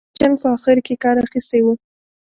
د ساړه جنګ په اخرو کې کار اخیستی و.